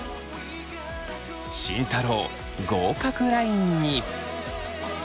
慎太郎合格ラインに。